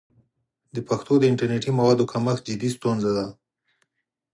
د پښتو د انټرنیټي موادو کمښت جدي ستونزه ده.